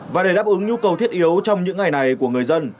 và để đáp ứng nhu cầu thiết yếu trong những ngày này của người dân